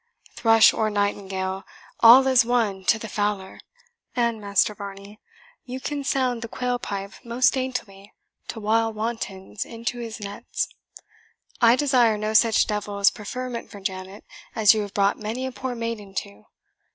"Thrush or nightingale, all is one to the fowler; and, Master Varney, you can sound the quail pipe most daintily to wile wantons into his nets. I desire no such devil's preferment for Janet as you have brought many a poor maiden to.